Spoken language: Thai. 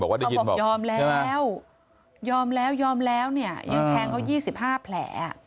เขาบอกยอมแล้วยอมแล้วยอมแล้วเนี่ยยังแทงเขา๒๕แผล